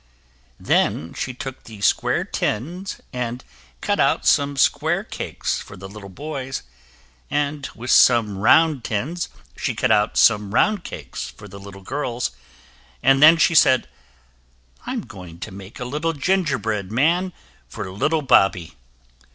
Then she took the square tins and cut out some square cakes for the little boys, and with some round tins she cut out some round cakes for the little girls, and then she said, "I'm going to make a little gingerbread man for little Bobby."